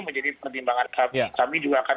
menjadi pertimbangan kami juga akan